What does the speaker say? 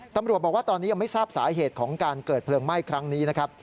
ตำรวจบอกว่าตอนนี้ยังไม่ทราบสาเหตุของการเกิดเพลิงไหม้ครั้งนี้นะครับ